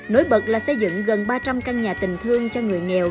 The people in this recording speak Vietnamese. nối bật là xây dựng gần ba trăm linh căn nhà tình thương cho người nghèo